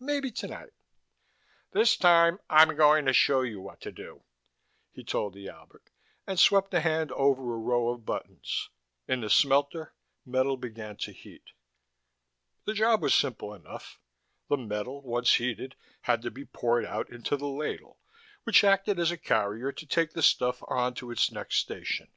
Maybe tonight "This time I'm going to show you what to do," he told the Albert, and swept a hand over a row of buttons. In the smelter, metal began to heat. The job was simple enough: the metal, once heated, had to be poured out into the ladle, which acted as a carrier to take the stuff on to its next station.